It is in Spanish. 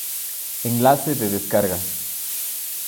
Enlace de descarga